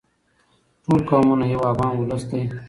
ټول قومونه یو افغان ولس دی.